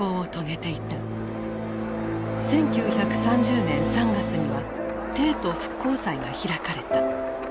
１９３０年３月には帝都復興祭が開かれた。